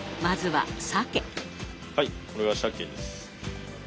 はいこれがシャケです。